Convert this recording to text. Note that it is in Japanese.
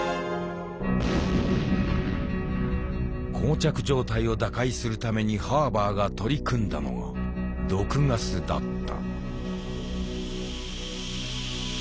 膠着状態を打開するためにハーバーが取り組んだのが「毒ガス」だった。